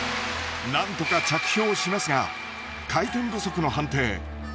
なんとか着氷しますが回転不足の判定。